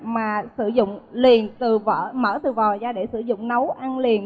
mà sử dụng liền từ vỏ mở từ vò ra để sử dụng nấu ăn liền